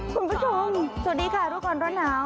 คุณผู้ชมสวัสดีค่ะรู้ก่อนร้อนหนาว